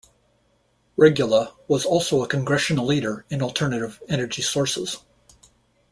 Regula was also a Congressional leader in alternative energy sources.